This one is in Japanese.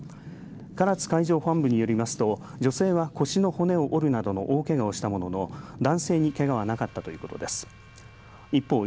唐津海上保安部によりますと女性は腰の骨を折るなどの大けがをしたものの男性にけがはなかったということです。